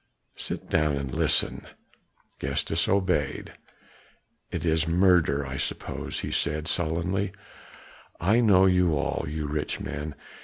Sit down and listen." Gestas obeyed. "It is murder, I suppose," he said sullenly. "I know you all, you rich men!